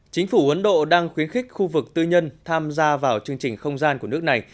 chính phủ ấn độ đang khuyến khích khu vực tư nhân tham gia vào chương trình không gian của nước này